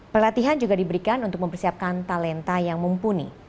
pelatihan juga diberikan untuk mempersiapkan talenta yang mumpuni